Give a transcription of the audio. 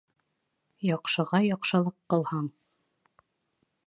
Яҡшыға яҡшылыҡ ҡылһаң